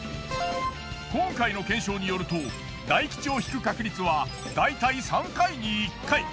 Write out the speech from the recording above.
今回の検証によると大吉を引く確率はだいたい３回に１回。